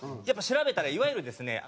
やっぱ調べたらいわゆるですね